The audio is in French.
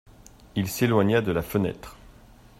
Il s'éloigna de la fenêtre.